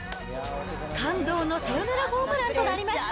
感動のサヨナラホームランとなりました。